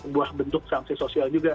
sebuah bentuk sanksi sosial juga